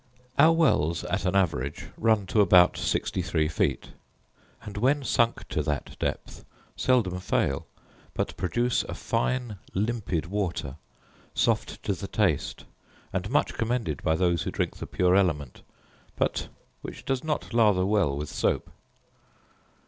Our wells, at an average, run to about sixty three feet, and when sunk to that depth seldom fail; but produce a fine limpid water, soft to the taste, and much commended by those who drink the pure element, but which does not lather well with soap.